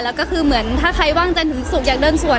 แล้วก็คือเหมือนถ้าใครว่างจันทร์ถึงศุกร์อยากเดินสวน